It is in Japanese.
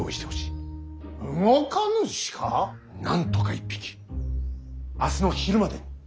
なんとか１匹明日の昼までに。